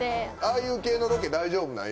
ああいう系のロケ大丈夫なん？